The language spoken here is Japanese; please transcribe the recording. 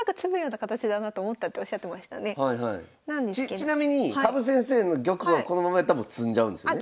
ちなみに羽生先生の玉はこのままやったらもう詰んじゃうんですよね？